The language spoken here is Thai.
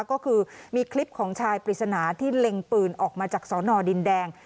ก็คือมีคลิปของชายปริศนาที่เล็งปืนออกมาจากสอนอดินแดง